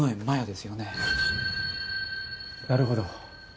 なるほど。